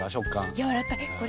やわらかいこれ。